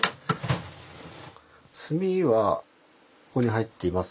炭はここに入っています。